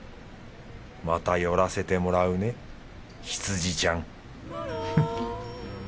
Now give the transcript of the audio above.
また寄らせてもらうね羊ちゃん。